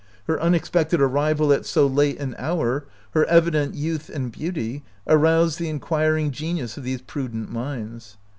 Her unexpected arrival at so late an hour, her evident youth and beauty, aroused the inquiring genius of these prudent minds.